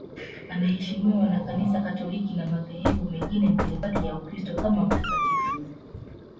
Anaheshimiwa na Kanisa Katoliki na madhehebu mengine mbalimbali ya Ukristo kama mtakatifu.